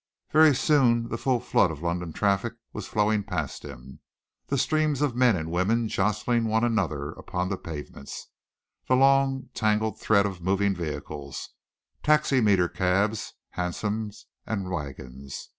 Very soon the full flood of London traffic was flowing past him, the streams of men and women jostling one another upon the pavements, the long, tangled thread of moving vehicles, taximeter cabs, hansoms, and wagons.